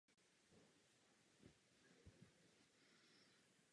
Po válce sloužil v československém letectvu.